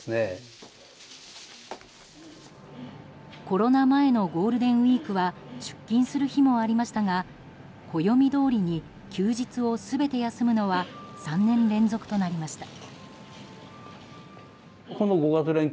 コロナ前のゴールデンウィークは出勤する日もありましたが暦どおりに休日を全て休むのは３年連続となりました。